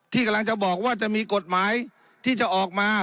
ที่กำลังจะบอกว่าจะมีกฎหมายที่จะออกมา